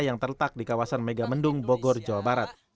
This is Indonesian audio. yang terletak di kawasan megamendung bogor jawa barat